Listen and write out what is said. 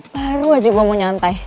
baru aja gue mau nyantai